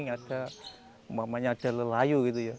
ada mbah mbahnya ada lelayu gitu ya